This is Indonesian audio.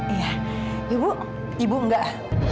iya ibu ibu enggak